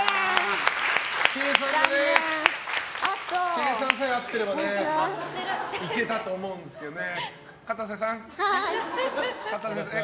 計算さえ合ってればねいけたと思うんですけどね。